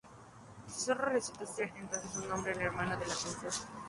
El zorro resulta ser entonces un hombre, el hermano de la princesa.